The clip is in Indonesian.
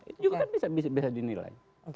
itu juga kan bisa dinilai